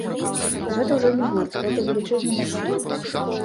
І гэта ўжо не гурт, гэта велічэзны масіў.